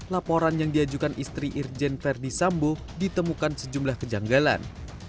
laporan yang diajukan istri irjen ferdisambo ditemukan sejumlah kejanggalan